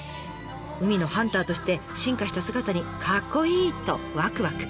海のハンターとして進化した姿に「カッコいい！」とワクワク！